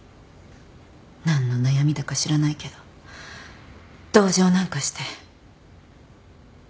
何の悩みだか知らないけど同情なんかして。